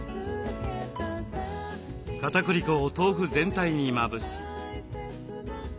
かたくり粉を豆腐全体にまぶし。